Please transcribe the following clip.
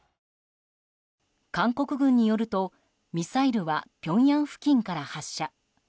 韓国軍によると、ミサイルはピョンヤン付近から発射。